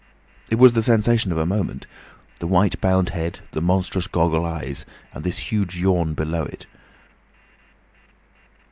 It was the sensation of a moment: the white bound head, the monstrous goggle eyes, and this huge yawn below it.